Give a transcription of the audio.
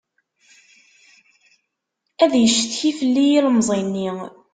Ad yeccetki fell-i yilemẓi-nni.